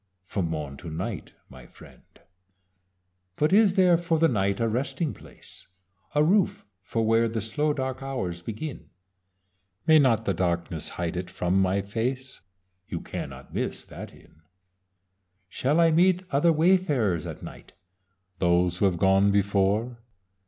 From morn to night, my friend. "But is there for the night a resting place? A roof for where the slow dark hours begin. May not the darkness hide it from my face? You cannot miss that Inn. "Shall I meet other wayfarers at night? Those who have gone before.